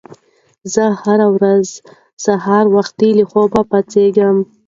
زه هره ورځ سهار وختي له خوبه پاڅېږم.